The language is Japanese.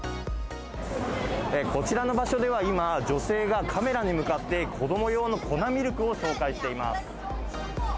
こちらの場所では今、女性がカメラに向かって、子ども用の粉ミルクを紹介しています。